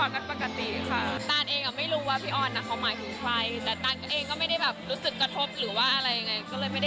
ใครก็เลย